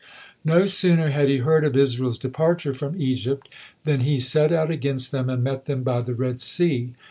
No sooner had he heard of Israel's departure from Egypt, then he set out against them and met them by the Red Sea.